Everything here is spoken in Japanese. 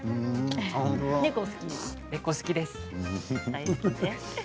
猫は好きです。